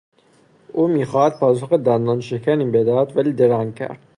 او میخواست پاسخ دندانشکنی بدهد ولی درنگ کرد...